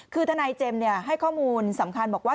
คือทนายเจมส์ให้ข้อมูลสำคัญบอกว่า